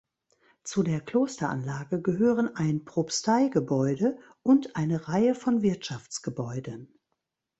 Zu der Klosteranlage gehören ein Propsteigebäude und eine Reihe von Wirtschaftsgebäuden.